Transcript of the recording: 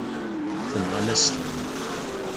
Tenɣam-as-ten.